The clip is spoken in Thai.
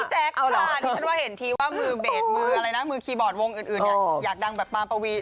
ดิฉันว่าเห็นทีว่ามือเบสมืออะไรนะมือคีย์บอร์ดวงอื่นเนี่ยอยากดังแบบปามปวี